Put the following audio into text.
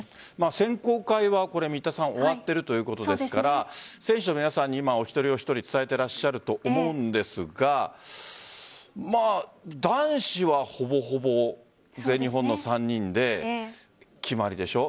選考会が終わっているということですから選手の皆さんにお一人お一人伝えていらっしゃると思うんですが男子は、ほぼほぼ全日本の３人で決まりでしょ。